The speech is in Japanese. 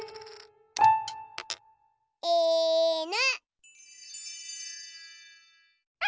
いぬ。